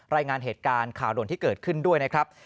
รายงานเหตุการณ์ข่าวด่วนที่เกิดขึ้นด้วยนะครับ